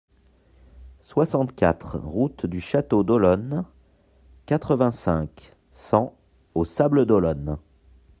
soixante-quatre route du Château d'Olonne, quatre-vingt-cinq, cent aux Sables-d'Olonne